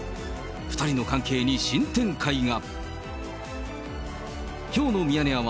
２人の関係に新展開が。